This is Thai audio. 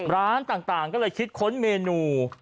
ร้านต่างก็เลยคิดค้นเมนู